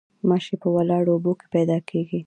ماشي په ولاړو اوبو کې پیدا کیږي